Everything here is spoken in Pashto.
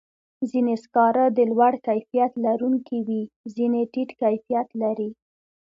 ځینې سکاره د لوړ کیفیت لرونکي وي، ځینې ټیټ کیفیت لري.